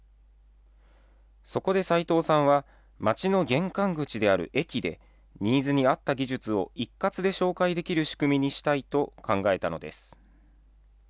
そこで齋藤さんは、町の玄関口である駅で、ニーズに合った技術を一括で紹介できる仕組みにしたいと考えたのです。